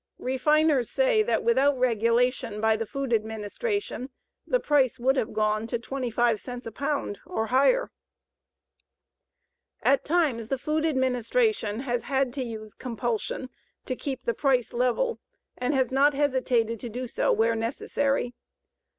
Refiners say that without regulation by the Food Administration the price would have gone to 25 cents a pound or higher. At times the Food Administration has had to use compulsion to keep the price level and has not hesitated to do so where necessary.